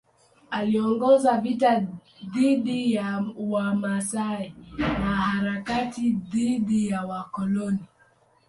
Aliongoza vita dhidi ya Wamasai na harakati dhidi ya wakoloni.